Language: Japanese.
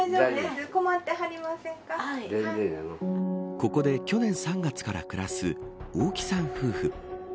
ここで、去年３月から暮らす大木さん夫婦。